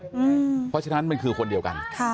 เพราะฉะนั้นมันคือคนเดียวกัน